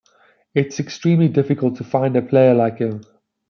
It's extremely difficult to find a player like him.